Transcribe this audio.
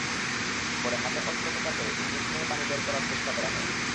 পরে হাতে অস্ত্রোপচার করে ইনজেকশনের পানি বের করার চেষ্টা করা হয়।